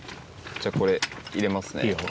じゃあこれ入れますね。